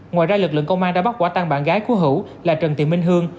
ngoài ra lực lượng công an đã bắt quả tang bạn gái của hữu là trần tiện minh hương